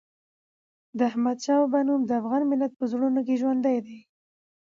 د احمدشاه بابا نوم د افغان ملت په زړونو کې ژوندي دی.